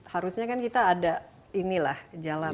harusnya kan kita ada ini lah jalan